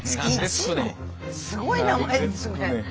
すごい名前ですね。